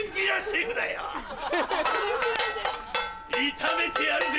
炒めてやるぜ！